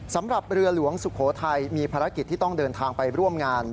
สำหรับเรือหลวงสุโขทัยมีภารกิจที่ต้องเดินทางไปร่วมงาน